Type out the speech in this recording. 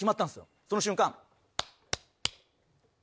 その瞬間。